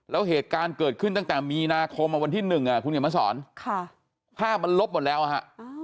แล้วเหตุการณ์เกิดขึ้นตั้งแต่มีนาคมวันที่๑คุณเขียนมาสอนภาพมันลบหมดแล้วฮะ